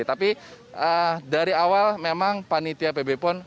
tapi dari awal memang panitia pb pon